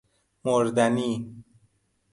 مردنی